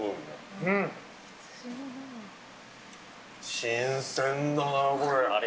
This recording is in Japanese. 新鮮だな、これ。